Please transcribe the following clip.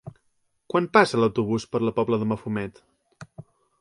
Quan passa l'autobús per la Pobla de Mafumet?